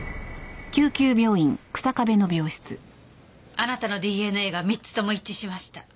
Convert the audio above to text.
あなたのＤＮＡが３つとも一致しました。